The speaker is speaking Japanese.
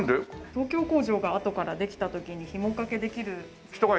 東京工場があとからできた時にひもかけできる人が。